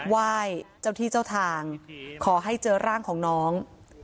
ไหว้เจ้าที่เจ้าทางขอให้เจอร่างของน้อง